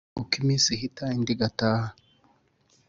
Uko iminsi ihita indi igataha